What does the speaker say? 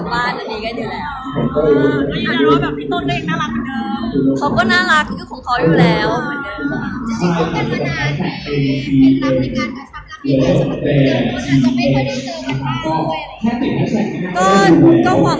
แต่ยังมีแค่ตอนเวลาจงได้ไหม